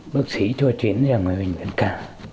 bức sĩ cho chuyến về bệnh viện ca